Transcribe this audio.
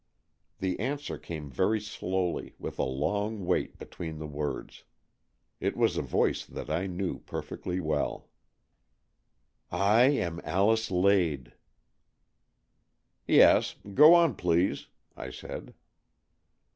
" The answer came very slowly, with a long wait between the words. It was a voice that I knew perfectly well. " I am Alice Lade." " Yes. Go on, please," I said.